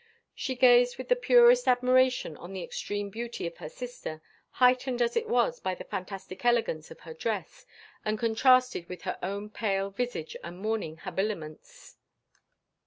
She gazed with the purest admiration on the extreme beauty of her sister, heightened as it was by the fantastic elegance of her dress, and contrasted with her own pale visage and mourning habiliments.